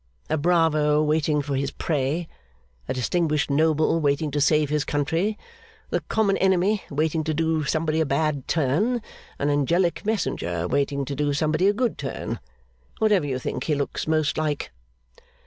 A bravo waiting for his prey, a distinguished noble waiting to save his country, the common enemy waiting to do somebody a bad turn, an angelic messenger waiting to do somebody a good turn whatever you think he looks most like!